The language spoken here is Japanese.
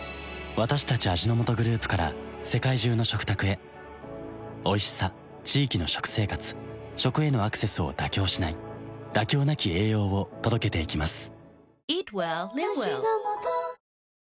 私たち味の素グループから世界中の食卓へおいしさ地域の食生活食へのアクセスを妥協しない「妥協なき栄養」を届けていきます